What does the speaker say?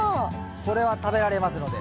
これは食べられますので。